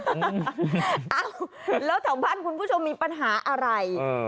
เอ้าแล้วแถวบ้านคุณผู้ชมมีปัญหาอะไร